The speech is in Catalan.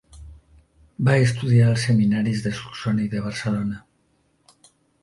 Va estudiar als seminaris de Solsona i de Barcelona.